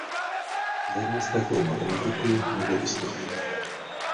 Zajímal se také o matematiku nebo historii.